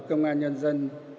công an nhân dân